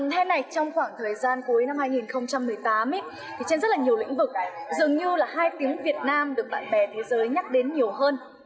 thế này trong khoảng thời gian cuối năm hai nghìn một mươi tám thì trên rất là nhiều lĩnh vực dường như là hai tiếng việt nam được bạn bè thế giới nhắc đến nhiều hơn